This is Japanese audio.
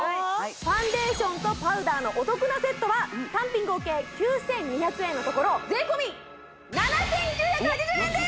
ファンデーションとパウダーのお得なセットは単品合計９２００円のところ税込７９８０円です！